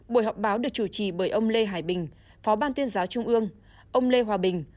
buổi họp báo được chủ trì bởi ông lê hải bình phó ban tuyên giáo trung ương ông lê hòa bình